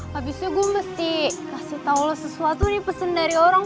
habisnya gue mesti kasih tau lo sesuatu nih pesen dari orang